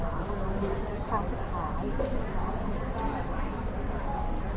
คุณก็ตกใจว่าเขาอาจรู้สุดยนต์เยอะห้า